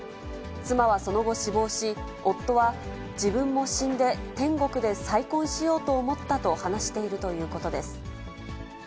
妻はその後、死亡し、夫は、自分も死んで天国で再婚しようと思ったと話しているということです。